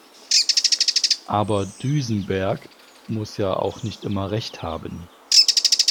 Aber Duijsenberg muss ja auch nicht immer Recht haben.